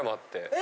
え！